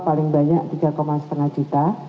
paling banyak tiga lima juta